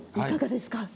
いかがですか。